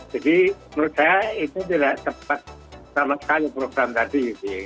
jadi menurut saya itu tidak tepat sama sekali program tadi